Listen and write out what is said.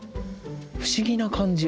不思議な感じ。